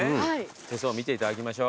手相を見ていただきましょう。